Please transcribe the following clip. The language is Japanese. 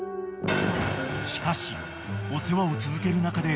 ［しかしお世話を続ける中で］